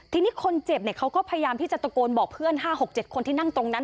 ทีนี้คนเจ็บเขาก็พยายามที่จะตะโกนบอกเพื่อน๕๖๗คนที่นั่งตรงนั้น